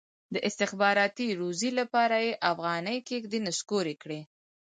د استخباراتي روزۍ لپاره یې افغاني کېږدۍ نسکورې کړي.